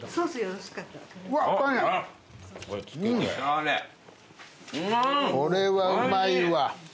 これはうまいわ。